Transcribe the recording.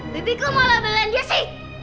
baby kamu mau labelin dia sih